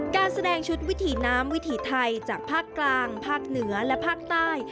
การแสดงชุดวิถีน้ำวิถีไทยจากภาคกลางภาคเหนือและภาคใต้